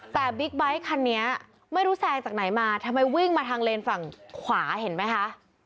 แต่บิ๊กไบท์คันนี้ไม่รู้แซงจากไหนมาทำไมวิ่งมาทางเลนส์ฝั่งขวาเห็นไหมคะ